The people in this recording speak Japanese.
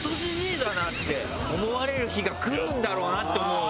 って思われる日が来るんだろうなって思うの。